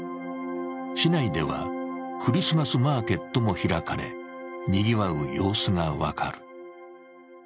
市内ではクリスマスマーケットも開かれ、にぎわう様子が分かる。